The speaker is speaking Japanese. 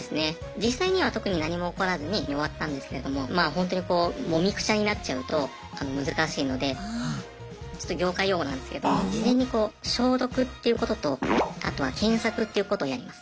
実際には特に何も起こらずに終わったんですけれどもまあホントにこうもみくちゃになっちゃうと難しいのでちょっと業界用語なんですけど事前にこう消毒っていうこととあとは検索っていうことをやります。